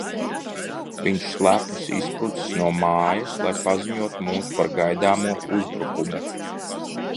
Viņš slepus izsprucis no mājas, lai paziņotu mums par gaidāmo uzbrukumu.